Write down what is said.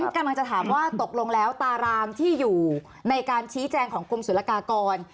กำลังจะถามว่าตกลงแล้วตารางที่อยู่ในการชี้แจงของกรมศุลกากร